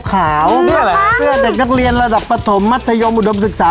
นี่อะไรเสื้อเด็กนักเรียนระดับประถมมัธยมอุดมศึกษา